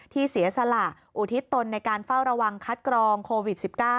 เสียสละอุทิศตนในการเฝ้าระวังคัดกรองโควิด๑๙